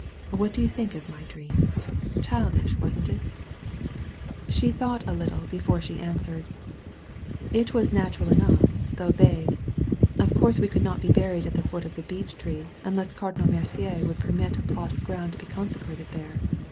What do you think of my dream ? Childish, wasn't it ?" 49 THE VALLEY OF VISION She thought a little before she answered. It was natural enough, though vague. Of course we could not be buried at the foot of the beech tree unless Cardinal Mercier would permit a plot of ground to be consecrated there.